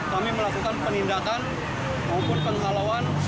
kami melakukan penindakan maupun penghalauan